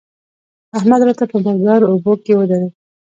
احمد راته په مردارو اوبو کې ودرېد.